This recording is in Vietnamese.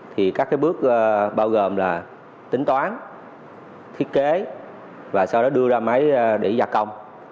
thì các bước bao gồm là tính toán thiết kế và sau đó đưa ra máy để gia công